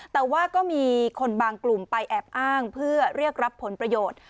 แต่ว่าก็มีคนบางกลุ่มไปแอบอ้างเพื่อเรียกรับผลประโยชน์